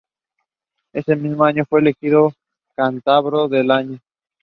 Ese mismo año fue elegido "Cántabro del año".